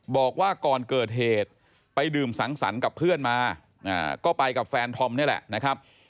บอกว่าก่อนเกิดเหตุไปดื่มสังสรรค์กับเพื่อนมาก็ไปกับแฟนธอมนี่แหละนะครับ